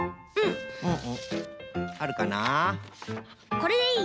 これでいい？